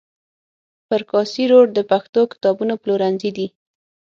پر کاسي روډ د پښتو کتابونو پلورنځي دي.